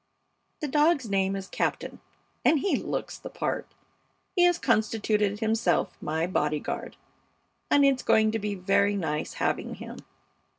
The dog's name is Captain, and he looks the part. He has constituted himself my bodyguard, and it's going to be very nice having him.